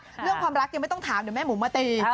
เรื่องความรักยังไม่ต้องถามเดี๋ยวแม่หมูมาตี